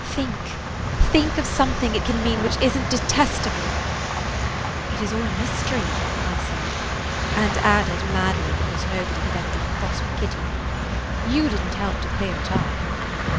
"Think, think, of something it can mean which isn't detestable!" "It is all a mystery," I said; and added madly, because nobody had ever been cross with Kitty, "You didn't help to clear it up."